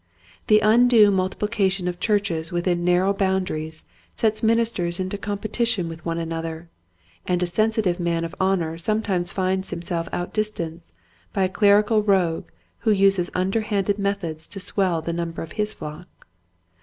The undue multiplica tion of churches within narrow boundaries sets ministers into competition with one another, and a sensitive man of honor sometimes finds himself outdistanced by a clerical rogue who uses underhanded methods to swell the number of his flock.